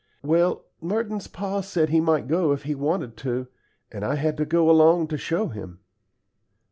"Well, Merton's pa said he might go if he wanted to, and I had to go along to show him."